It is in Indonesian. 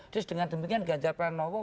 terus dengan demikian ganjar pranowo